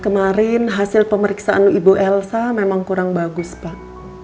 kemarin hasil pemeriksaan ibu elsa memang kurang bagus pak